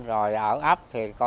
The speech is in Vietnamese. rồi ở ấp